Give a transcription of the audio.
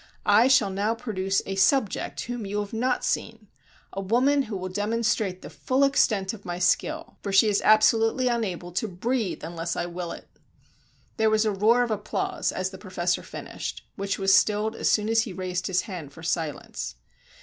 I shall now produce a 'subject' whom you have not seen—a woman who will demonstrate the full extent of my skill, for she is absolutely unable to breathe unless I will it." There was a roar of applause as the professor finished, which was stilled as soon as he raised his hand for silence.